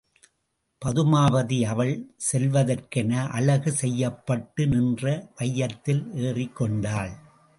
பதுமாபதி அவள் செல்வதற்கென அழகு செய்யப்பட்டு நின்ற வையத்தில் ஏறிக்கொண்டாள்.